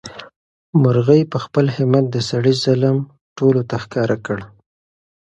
مرغۍ په خپل همت د سړي ظلم ټولو ته ښکاره کړ.